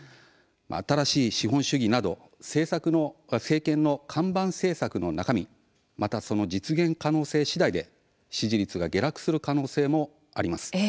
新しい資本主義など政権の看板政策の中身また実現可能性しだいで支持率が下落する可能性もあります。